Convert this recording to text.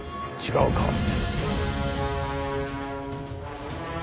違うか。